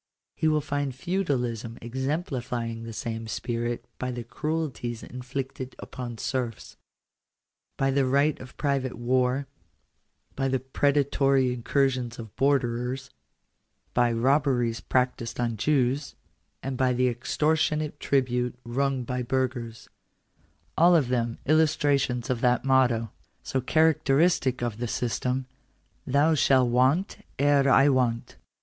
He will find Feudalism exemplifying the same spirit by the cruelties inflicted upon serfs ; by the right of private war ; by the predatory incursions of borderers; by robberies practised on Jews; and by the extortionate tribute wrung from burghers — all of them illustrations of that motto, so characteristic of the system, " Thou shalt want ere I want."